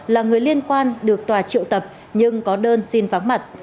là người liên quan được tòa triệu tập nhưng có đơn xin vắng mặt